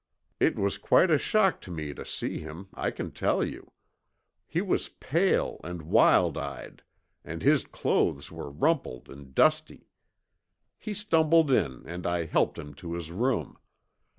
It was quite a shock to me to see him, I can tell you. He was pale and wild eyed and his clothes were rumpled and dusty. He stumbled in and I helped him to his room.